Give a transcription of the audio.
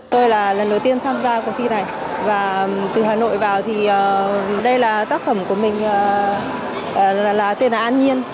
tôi là lần đầu tiên tham gia cuộc thi này và từ hà nội vào thì đây là tác phẩm của mình là tên là an nhiên